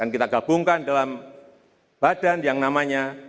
kita gabungkan dalam badan yang namanya